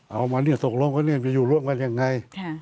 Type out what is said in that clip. เอามาได้ก็จะตกลงเอานี่ไปอยู่ร่วมกันยังไง